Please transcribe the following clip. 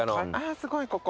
あすごいここ。